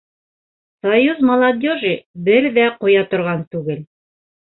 Союз молодежи бер ҙә ҡуя торған түгел.